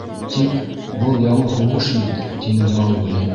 — Тик был яңы һуғыш бит, — тине Маугли.